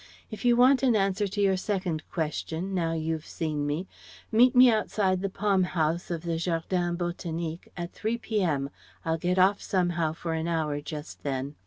If you want an answer to your second question, now you've seen me, meet me outside the Palm House of the Jardin Botanique, at 3 p.m. I'll get off somehow for an hour just then.